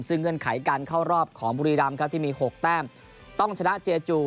ซึ่งเงื่อนไขการเข้ารอบของบุรีรำครับที่มี๖แต้มต้องชนะเจจู